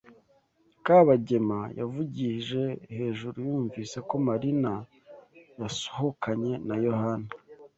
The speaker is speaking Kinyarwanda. Kabagema yavugije hejuru yumvise ko Marina yasohokanye na Yohana.